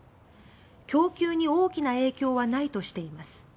供給に大きな影響はないとしています。